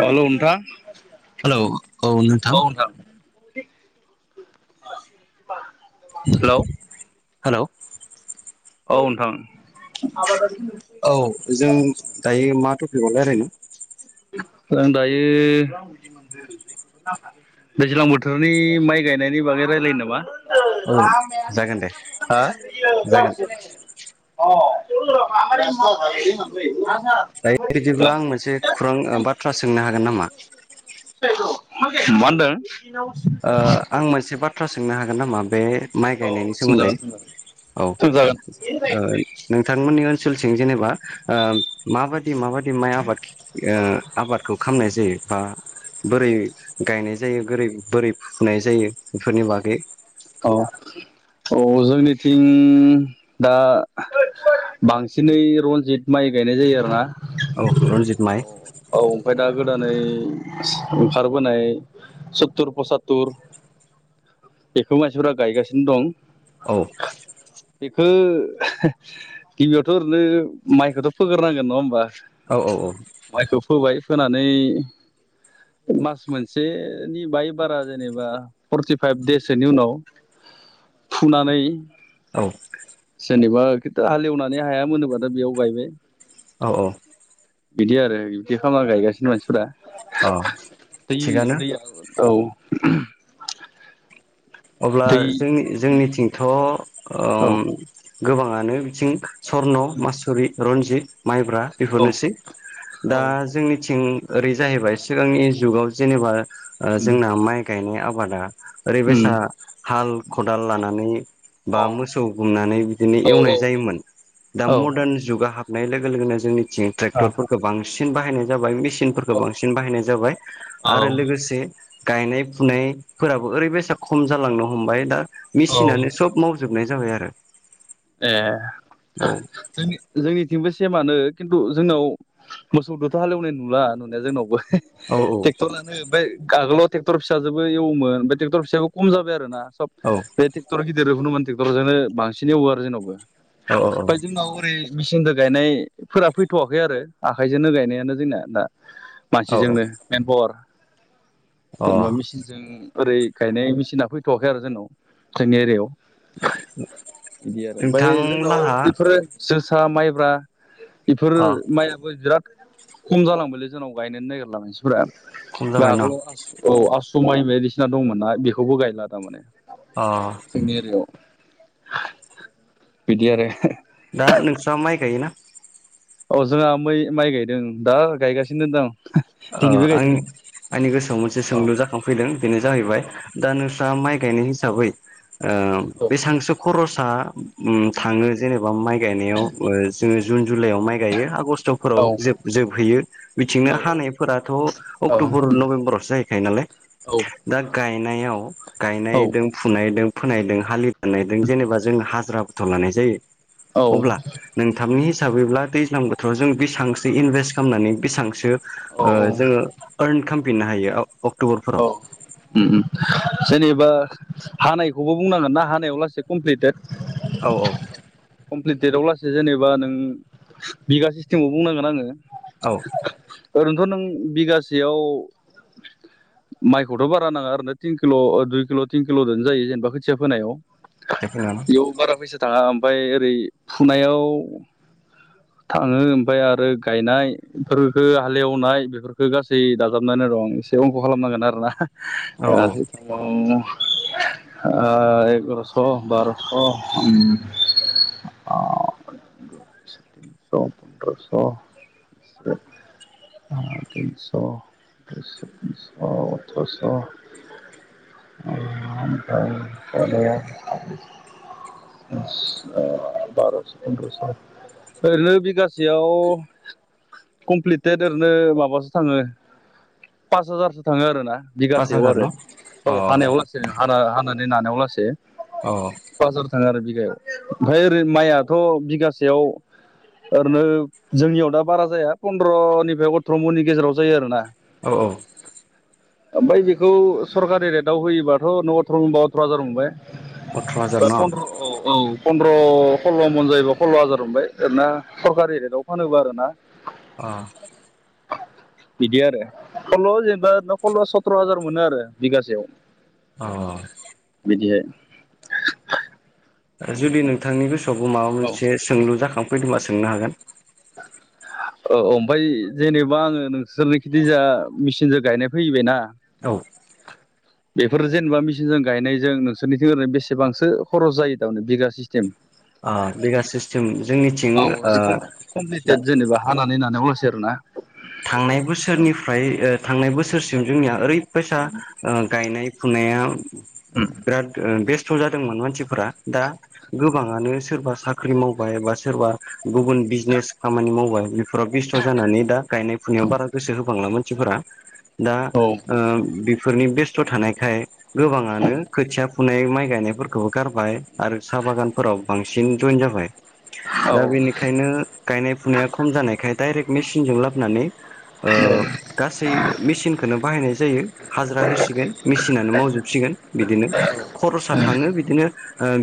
हेल' नोंथां! हेल' औ नोंथां। हेलौ? हेलौ? औ नोंथां। औ जों दायो मा टपिकआव लायरायनो? जों दायो दैज्लां बोथोरनि माइ गायनायनि बागै रायलायनो नामा? [inaudible] औ जागोन दे जागोन हो? [inaudible] [inaudible] दायो बिदिब्ला आं मोनसे खौरां बाथ्रा सोंनो हागोन नामा? मा होनदों? औ ओ आं मोनसे बाथ्रा सोंनो हागोन नामा बे माइ गायनायनि सोमोन्दै। सोंजागोन सोंजागोन औ सोंजागोन ओ नोंथांमोननि ओन सोलथिं जेनेबा माबायदि माबायदि माइ आबाद आबादखौ खालामनाय जायो बा बोरै गायनाय जायो, बोरै बोरै फुुनाय जायो बेफोरनि बागै? औ औ जोंनिथिं दा बांसिनै रन्जित माइ गायनाय जायो आरोना। औ रनजित माइ। औ ओमफ्राय दा गोदानै ओंखारबोनाय सत्तुर पसातुर बेखौ मानसिफोरा गायगासिनो दं। औ बेखौ गिबियावथ' ओरैनो माइखौथ' फोग्रोनांगोन नङा होमबा? औ औ औ माइखौ फोबाय, फोनानै मास मोनसेनि बाय बारा जेनेबा फर्टिफाइभ देइस सोनि उनाव फुनानै औ। जेनेबा खिन्थु हालेवनानै हाया मोनोबाथाय बेयाव गायबाय। औ औ। बिदि आरो बिदि खालामना गायगासिनो मानसिफोरा। अ दै थिगानो दैया औ अब्ला दै जोंनि जोंनिथिंथ' ओ औ गोबाङानो बिथिं सर्न, मासुरि, रनजित माइब्रा औ बेफोरनोसै। दा औ जोंनिथिं ओरै जाहैबाय सिगांनि जुगाव जेनेबा ओ उम जोंना माइ गायनाय आबादा ओरै उम बायसा हाल खदाल लानानै औ बा मोसौ गुमनानै बिदिनो औ एवनाय जायोमोन। दा औ मडार्न जुगा हाबनाय लोगो लोगोनो जोंनिथिं ट्रेक्टरफोरखौ बांसिन बाहायनाय जाबाय मेसिनफोरखौ बांसिन बाहायनाय जाबाय आरो लोगोसे गायनाय फुनायफोराबो ओरैबायसा खम जालांनो हमबाय दा औ मेसिनानो सब माव जोबनाय जाबाय आरो। ए औ जोंनि-जोंनिथिंबो सेमानो खिन्थु जोंनाव मोसौदोथ' हालेवनाय नुला नुनाया जोंनावबो। औ टेक्टर लानो ओमफ्राय आगोलट टेक्टर फिसाजोबो एवोमोन बे टेक्टर फिसाखौ खम जाबाय आरोना सब औ बे टेक्टर गिदिरखौनोमोन टेक्टरजोंनो बांसिन एवो आरो जोंनावबो। औ ओमफाय जोंनाव ओरै मेसिनदो गायनायफोरा फैथ'वाखै आरो आखाइजोनो गायनायानो जोंना दा। औ मानसिजोंनो मेनफावार। औ जेनेबा अ मेचिनजों ओरै गायनाय मेसिना फैथ'वाखै आरो जोंनाव जोंनि एरियायाव। [inaudible] बिदि आरो नोंथां ओमफ्राय जोंनाव लाहा बेफोरो जोसा, माइब्रा बेफोर अ माइआबो बिराद खम जालांबायलै जोंनाव गायनोनो नागिरला मानसि फोरा। खम जाबाय न' आगोलाव औ आसु माइ बायदिसिना दंमोन ना बेखौबो गायला तारमाने। अ जोंनि एरियायाव। बिदि आरो। दा नोंस्रा माइ गायोना? औ जोंहा मै माइ गायदों दा गायगासिनो दं। ओ दिनैबो आं गायदोंमोन आंनि गोसोआव मोनसे औ सोंलु जाखांफैदों बेनो जाहैबाय औ दा नोंस्रा माइ बेनि हिसाबै ओ बेसांसो खरस सा थाङो जेनेबा माइ गायनायाव, जोङो जुन जुलाइआव माइ गायो आगष्ट टफोराव औ जोब-जोबहैयो। बिथिंनो हानाय फोराथ' औ अक्ट'बर, नभेम्बरावसो जाहैखायो नालाय। दा गायनायाव गायनायदों फुनायदों फोनायदों हालि दाननायदों जेनेबा जों हाजिराबोथ' लानाय जायो। अब्ला नोंथांनि हि साबैब्ला दैज्लां बोथोराव जों बेसेबांसो इनभेस्ट खालामनानै बेसेबांसो औ ओ जोङो आरन खालामफिननो हायो? औ अक्ट'बरफोराव उम उम। जेनेबा हानायखौबो बुंनांगोन ना हानायाव लासै कमप्लिटेड। औ औ। कमप्लिटेट अब्लासो जेनेबा नों बिगा सिस्टेमाव बुंनांगोन आङो। औ। ओरैनोथ' नों बिगासेयाव माइखौथ' बारा नाङा आरैनो किनल' दुइ किल' टिन किल' दोनो जायो जेनेबा खोथिया फोनायाव। बेयाव बारा फैसा थाङा ओमफाय ओरै फुनायाव थाङो ओमफ्राय आरो गायनायफोरखो हालेवनाय बेफोरखो गासै दाजाबनानै दं एसे अंख खालामनांगोन आरोना। औ एगार'स' बार'स' तिनस' फन्द्रस' [inaudible] सथ'स'। [inaudible] बार'स' पन्द्रस' ओरैनो बिगासेयाव कमप्लिटेत ओरैनो माबासो थाङो पास हाजारसो थाङो आरोना पास बिगासेयाव हाजार आरो न' औ अ हानायाव लासे हाना-हानानै नानायाव लासे। पास हाजार थाङो आरो बिगायाव। ओमफ्राय ओरै माइआथ' बिगासेयाव ओरैनो जोंनियाव दा बारा जाया पन्द्रनिफ्राय अथर' मननि गेजेराव जायो आरोना। औ औ। ओमफाय बेखौ सरकारि रेटआव होयोबाथ' [unintelligible] बे अथ्र' हाजार न' फन्द्र औ औ पन्द्र' सल्ल' मन जायोबा सल्ल' हाजार मोनबाय आरोना सरकारि रेटआव फानोब्ला आरोना अ बिदि आरो सल्ल' जेनेबा सल्ल सथर' हाजार मोनो आरो बिगासेयाव अ जे [unintelligible] जुदि नोंथांनि गोसोआवबो माबा मोनसे औ सोंलु जाखांफैदोंबा सोंनो हागोन? [inaudible] ओऔ ओमफाय जेनेबा आङो नोंसोरनिखै जाय मेचिनजों गायनाय फैबायना? औ ओ बेफोर जेनेबा मिचिनजों गायनायजों नोंसोरनिथिं ओरैनो बेसेबांसो खरस जायो थारमाने बिगा सिस्टेम? बिगा सिस्टेम जोंनिथिं औ ओ जिकुम दा खम्फिटेत जेनेबा हानानै होननानै अल थांनाय बोसोरनिफ्राय ओ थांनाय बोसोरसिम जोंनिया ओरैबायैसा ओ गायनाय फुनाया बिराद ओ बेस्थ' जादोंमोन मानसिफोरा दा गोबाङानो सोरबा साख्रि मावबाय बा सोरबा गुबुन बिजनेस खामानि मावबाय बेफोराव बेस्थ' जानानै दा गायनाय फुनायाव बारा गोसो होबांला मानसिफोरा। दा औ बेफोरनि बेस्थ' थानायखाय गोबाङानो खोथिया फुनाय माइ गायनायफोरखौबो गारबाय आरो साहा बागानफोराव बांसिन जइेन जाबाय। औ औ दा बेनिखायनो गायनाय फुनाया खम जानायखाय डायरेक्ट मेसिनजों लाबोनानै ओ गासै मेसिनखौनो बाहायनाय जायो हाजिरा होसिगोन मेसिनानो मावजो सिगोन बिदिनो खरसा थाङो बिदिनो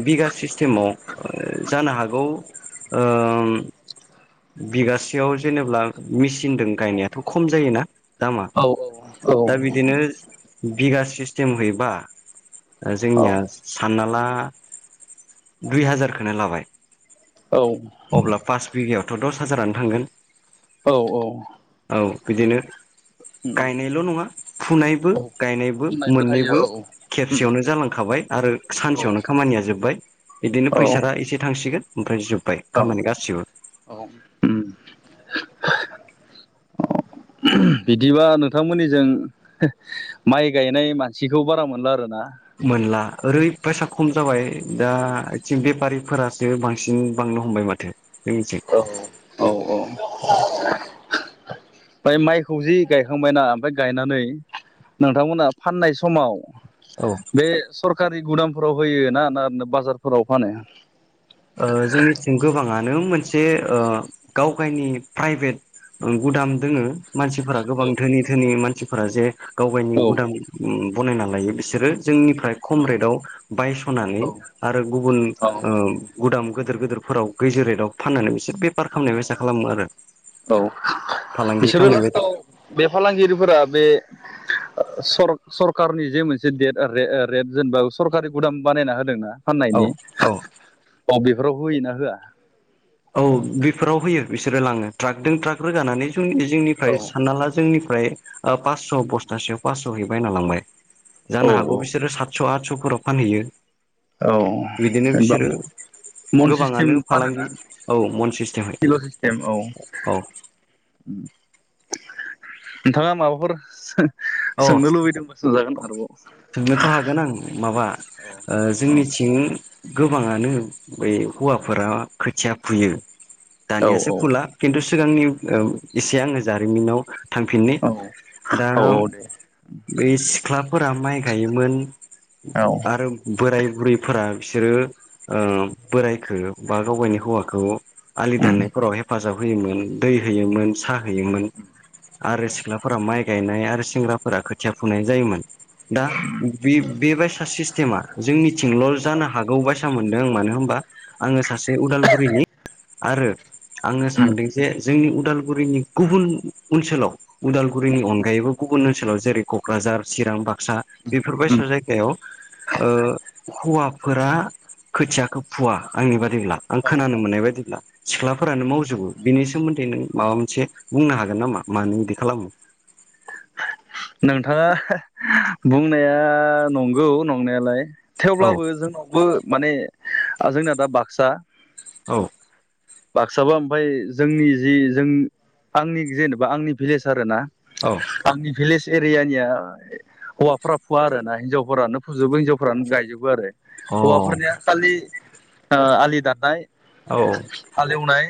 बिगा सिसथेमाव जा हागौ ओ बिगासेयाव जेनेब्ला मिसिनजों गायनायाथ' खम जायोना दामा? औ दा बिदिनो बिगा सिस्टेम हैबा जोंनिया सानना ला दुइ हाजारखौ लाबाय औ अब्ला पास बिगायावथ' दस हाजारानो थांगोन औ औ बिदिनो गायनायल' नङा फुनायबो औ गायनाय बो बुंनायबो थायो मोननैबो औ खेबसेयावनो जालांखाबाय आरो औ सानसेयावनो खामानिया जोब्बाय। बिदिनो औ फैसारा एसे थांसिगोन ओमफ्राय जोब्बाय औ खामानि गासिबो। औ बिदिबा नोंथांमोननिजों माइ गायनाय मानसिखौ बारा मोनला आरोना? मोनला ओरैबायसा खम जाबाय दा आथिं बेफारिफोरासो बांसिन बांनो हमबाय माथो जोंनिथिं औ औ औ ओमफ्राय माइखौ जि गायखांबायना ओमफ्राय गायनानै नोंथांमोना फाननाय समाव औ बे सरखारि गुदामफोराव होयो ना - ना बाजारफोराव फानो जोंनिथिं गोबाङा नों मोनसे गाव गायनि प्राइभेट गुदाम दोङो मानसिफोरा गोबां औ धोनि धोनि मानसिफोरा जे गाव गनि औ गुदाम बनायना लायो बिसोरो जोंनिफ्राय खम रेटआव औ बायस'नानै आरो गुबुन औ ओ गुदाम गोदोर गोदोरफोराव गैजौ रेटआव फाननानै बिसोर बेफार खामनाय बायसा खालामो आरो। औ फालांगि बिसोरो खालामनाय बायदि लास्टआव बे फालांगिरिफोरा बे सर सरकानि जे मोनसेे रेट जेनेबा सरकारि गुदाम बानायना होदोंना औ फाननायनि औ अ बेफोराव होयोना होआ? औ बेफोराव होयो बिसोरो लाङो ट्राकदों ट्राक रोगानानै जोंनिफ्राय औ सानना ला जोंनिफ्राय पासस' बस्थासेयाव पासस' हैबाय होनना लांबाय जानो हागौ औ औ बिसोरो सातस' आदस'फोराव फानहैयो। औ बिदिनो जेनेबा बिसोरो मन सिस्टेम गोबाङानो फानोना। फालांगि औ मन सिस्टेमै किल' सिस्टेम औ औ नोंथाङा माबाफोर सों औ सोंनोथ' हागोन आं माबा औ ओ औ जोंनिथिं गोबाङानो बै हौवाफोरा खोथिया फुयो। दानियासो औ फुला खिन्थु सिगांनि एसे आङो जारिमिनाव थांफिननि औ दा औ दे बै सिख्लाफोरा माइ गायोमोन औ आरो बोराय बुरैफोरा बिसोरो ओ बोरायखो बा गाव गावनि हौवाखौ आलि उम दाननायफोराव हेफाजाब होयोमोन दै होयोमोन सा हैयोमोन आरो सिख्लाफोरा माइ गायनाय आरो सेंग्राफोरा खोथिया फुनाय जायोमोन। दा बे बायसा सिस्टेमा जोंनिथिंल' जानो हागौ बायसा मोनदों आं मानो होनबा आङो सासे उदालगुरिनि आरो आङो उम सानदों जे जोंनि उदालगुरिनि गुबुन ओनसोलाव उदालगुरिनि उम अनगायैबो गुबुन ओनसोलाव जेरै क'क्राझार चिरां बाक्सा उम बेफोरबायसा जायगायाव ओ हौवाफोरा खोथियाखो फुवा आंनि बादिब्ला आं औ खोनानो मोननाय बादिब्ला सिख्ला फोरानो मावजोबो औ बिनि सोमोन्दै नों माबा मोनसे बुंनो हागोन नामा मानो इदि खालामो। नोंथाङा बुंनाया नंगौ नंनायालाय औ थेवब्लाबो जोंनावबो माने जोंना दा बाक्सा औ बाक्साबा ओमफाय जोंनि जि जों आंनि जेनेबा आंनि भिलेज आरो ना आंनि भिलेज एरियानिया हौवाफोरा फुवा आरो ना हिनजावफोरानो फुजोबो हिनजावफोरानो गायजोबो आरो। औ अ हौवाफोरनिया खालि आलि दाननाय औ हालेवनाय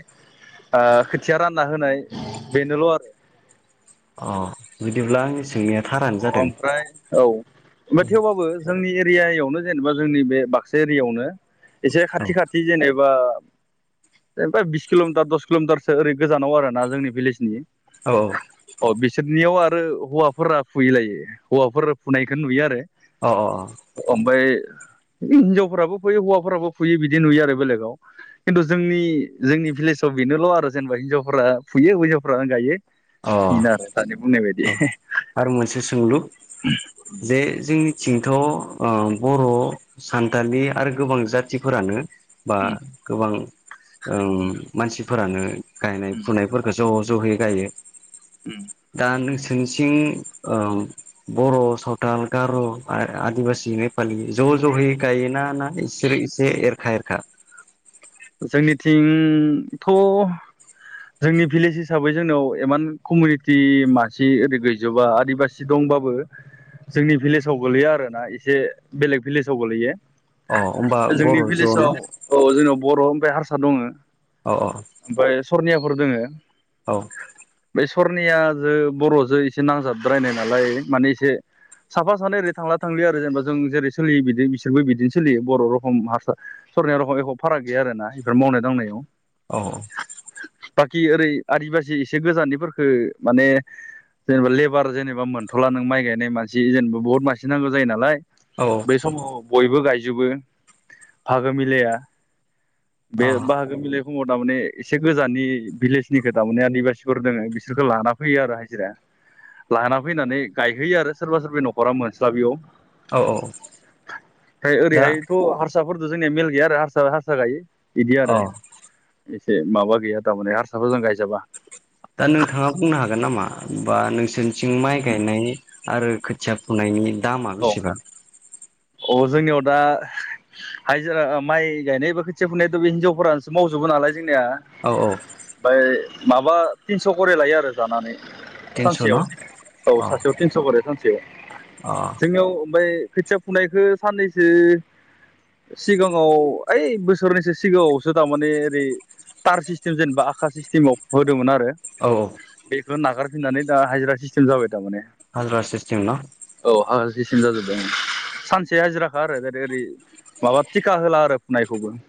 ओ खोथिया रानना होनाय बेनोल' आरो। अ' बिदिब्ला आंनि सोंनाया थारानो जादों ओमफ्राय औ ओफाय थेवबाबो जोंनि एरियायावनो जेनेबा जोंनि बे बाक्सा एरियायावनो एसे खाथि खाथि जेने बा जेनेबा बिस किल'मिटार दस किल'मिटारसो ओरै गोजानाव आरो ना जोंनि भिलेजनि औ अ बिसोरनियाव आरो हौवाफोरा फुयैलायो हौवाफोरा फुनायखौ नुयो आरो औ अ ओमफाइ हिनजावफोराबो फुयो हौवाफोराबो फैयो बिदि नुयो आरो बेलेगाव खिन्थु जोंनि जोंनि भिलेजाव बेनोल' आरोे जेनबा हिनजावफ्रा फुयो हिनजावफ्रानो गायो। अ इदिनो आरो दानि बुंनाय बायदि। अ आरो मोनसे सोंलु उम बे जोंनि थिंथ' ओ बर' सानथालि आरो गोबां जाथिफोरानो बा उम गोबां ओ मानसिफोरानो गायनाय फुनायफोरखो ज' ज' जहै गायो उम दा नोंसोर निथिं ओ‌ बर सावथाल गार‌ आदिबासि नेपालि ज ज जहोयै गायोना ना इसोरो एसे एरखा एरखा जोंनिथिंथ' जोंनि भिलेज हिसाबै जोंनाव एमान कमिउनिटि मासि ओरै गैजोबा आदिबासि दं। बाबो जोंनि भिलेजाव गोलैया आरो ना एसे बेलेग भिलेजाव गोलैयो। अ होमबा जोंनि बर' ज' भिलेजाव न' औ जेनबा अ' ओमफ्राय हारसा दङो औ औ ओमफ्राय सनियाफोर दोङो। औ बे सरनिया जो बरजो एसे नांजाबद्रायनाय नालाय माने एसे साफा सानै ओरै थांला थांलि आरो जेनेबा जों जेरै सोलियो बिदि बिसोरबो बिदिनो सोलियो बर रखम हारसा सरनिया रखम एख फाराग गैया आरोना बेफोर मावनाय दांनायाव औ बाकि ओरै आदिबासि एसे गोजाननिफोरफोरखो माने जेनेबा लेबार जेनेबा मोनथला नों माइ गायनाय मानसि जेनेबा बुहुत मानसि नांगौ जायो नालाय बे औ समाव बयबो गायजोबो आगो मिलाया बे बाहागो मिलाय समाव तामाने एसे गोजाननि भिलेजनिखौ तामाने आदिबासिफोर दोङो बिसोरखौ लाना फैयो आरो हाजिरा लाना फैनानै गायहैयो आरो सोरबा सोरब नखरा मोनस्लाबैयाव औ औ फ्राय दा ओरैहायथ हारसाफोरदो जोंनिया मेल गैया आरो हारसा हारसा सा गायो बिदि आरो औ एसे माबा गैया थारमाने हारसाफोर जों गायजाबा दा नोंथाङा बुंनो हागोन नामा बा नोंसोरनिथिं माइ गायनायनि। आरो खोथिया फुनायनि दामा बेसेबां? अ जोंनियाव दा हायजिरा ओ माइ गायनाय बा खोथिया फुनाय खो‌ बे हिनजावफोरानोसो मावजोबो नालाय। जोंनिया औ औ ओमफाय माबा थिनस करे लायो आरो जानानै तिनस' सानसेयाव न' औ अ सासेयाव तिनस करे सानसेयाव अ जोंनियाव ओमफ्राय खोथिया फुनायखो साननैसो सिगाङाव ओइ बोसोरनैसो सिगाङावसो तामाने ओरै टार सिस्टेम जेनेबा आखा सिस्टेमाव हो होदोमोन आरो औ बेखौ नागारफिननानै दा हाइाजिरा सिस्टेम जाबाय तामाने हाजिरा सिसतेम ना। मिसिन जाजोबदों आ सान एसे हाजिराखा आरो ओरै माबा टिका होला आरो फुनायखौबो